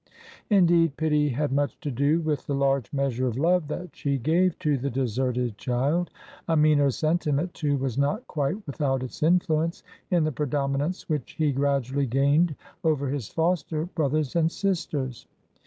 Indeed, pity had much to do with the large measure of love that she gave to the deserted child. A meaner sentiment, too, was not quite without its influence in the predominance which he gradually gained over his foster brothers and sisters.